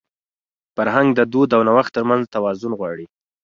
فرهنګ د دود او نوښت تر منځ توازن غواړي.